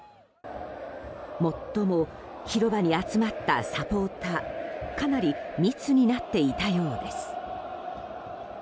もっとも広場に集まったサポーターかなり密になっていたようです。